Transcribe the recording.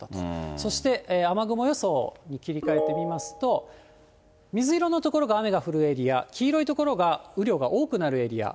そして、雨雲予想に切り替えてみますと、水色の所が雨が降るエリア、黄色い所が雨量が多くなるエリア。